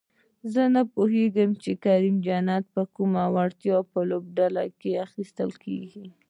زه نپوهېږم چې کریم جنت په کومه وړتیا لوبډله کې اخیستل کیږي؟